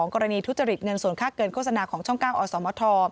กรณีทุจริตเงินส่วนค่าเกินโฆษณาของช่อง๙อสมท